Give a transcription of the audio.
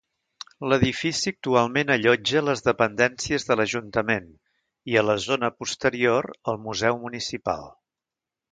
L'edifici actualment allotja les dependències de l'ajuntament i a la zona posterior, el museu municipal.